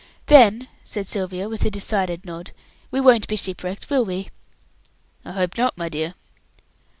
"Then," said Sylvia, with a decided nod, "we won't be ship wrecked, will we?" "I hope not, my dear."